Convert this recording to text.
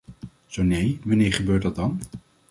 Zo nee, wanneer gebeurt dat dan?